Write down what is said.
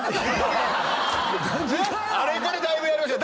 あれからだいぶやりました。